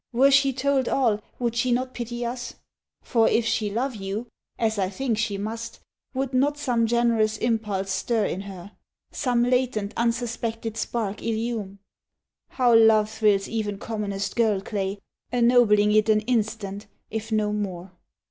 Were she told all, would she not pity us? For if she love you, as I think she must, Would not some generous impulse stir in her, Some latent, unsuspected spark illume? How love thrills even commonest girl clay, Ennobling it an instant, if no more!